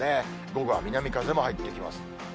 午後は南風も入ってきます。